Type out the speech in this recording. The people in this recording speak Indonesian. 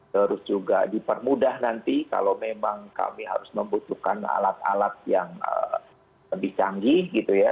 terus juga dipermudah nanti kalau memang kami harus membutuhkan alat alat yang lebih canggih gitu ya